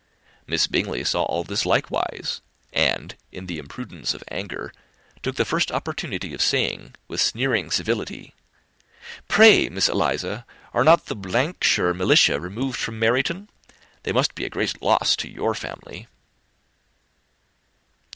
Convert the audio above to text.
Miss Bingley saw all this likewise; and, in the imprudence of anger, took the first opportunity of saying, with sneering civility, "Pray, Miss Eliza, are not the shire militia removed from Meryton? They must be a great loss to your family."